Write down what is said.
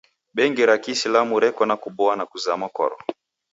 Bengi ra kiisilamu reko na kuboa na kuzama kwaro.